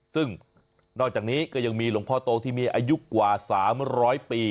ซึ่งนอกจากนี้ก็ยังมีหลวงพ่อโตที่มีอายุกว่า๓๐๐ปี